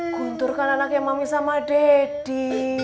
guntur kan anaknya mami sama deddy